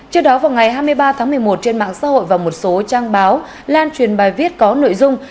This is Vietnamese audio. trước đó vào ngày hai mươi ba tháng một mươi một trên mạng xã hội và một số trang báo lan truyền bài viết có nội dung